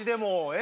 え？